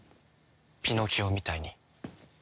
ピノキオみたいに。